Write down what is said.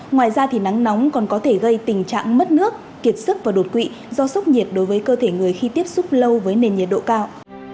ngoài ra thì nắng nóng còn có thể gây tình trạng mất nước kiệt sức và đột quỵ do sốc nhiệt đối với cơ thể người khi tiếp xúc lâu với nền nhiệt độ cao